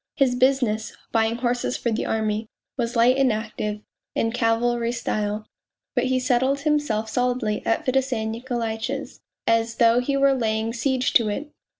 His business bavins; horses for the army was light and ;\< in cavalry style, but he settled himself solidly at Fedosey Nikolaitch's, as though he were laying siege to it